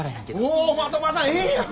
おお的場さんええやん！